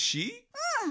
うん。